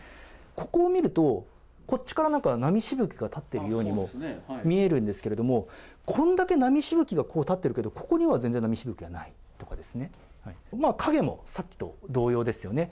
ここを見ると、こっちからなんか波しぶきが立っているようにも見えるんですけれども、こんだけ波しぶきが立ってるけど、ここには全然波しぶきがないとかですね、影もさっきと同様ですよね。